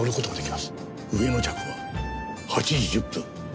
上野着は８時１０分。